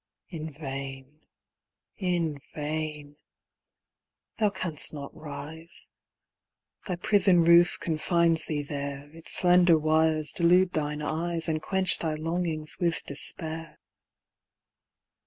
In vain in vain! Thou canst not rise: Thy prison roof confines thee there; Its slender wires delude thine eyes, And quench thy longings with despair.